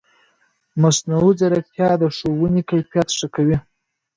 مصنوعي ځیرکتیا د ښوونې کیفیت ښه کوي.